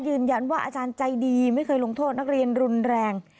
อาจารย์ใจดีไม่เคยลงโทษนักเรียนรุนแรง